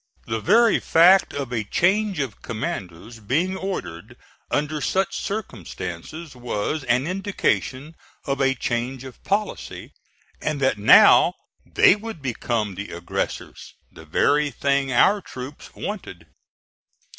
The very fact of a change of commanders being ordered under such circumstances was an indication of a change of policy, and that now they would become the aggressors the very thing our troops wanted.